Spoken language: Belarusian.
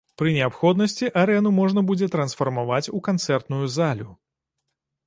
Пры неабходнасці арэну можна будзе трансфармаваць у канцэртную залю.